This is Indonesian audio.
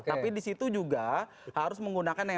tapi di situ juga harus menggunakan